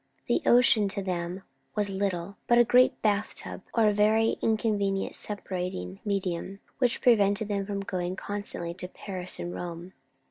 The ocean, to them, was little but a great bath tub; or a very inconvenient separating medium, which prevented them from going constantly to Paris and Rome.